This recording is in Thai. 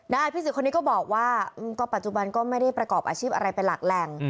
พี่สื่อคนนี้ก็บอกว่าก็ปัจจุบันก็ไม่ได้ประกอบอาชีพอะไรเป็นหลักแหล่ง